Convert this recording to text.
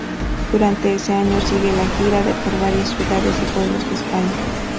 Durante ese año sigue de gira por varias ciudades y pueblos de España.